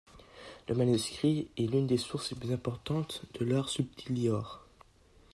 Le manuscrit est l'une des sources les plus importantes de l'ars subtilior.